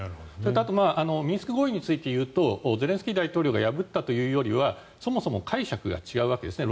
あとミンスク合意について言うとゼレンスキー大統領が破ったというよりはそもそも解釈が違うわけですね。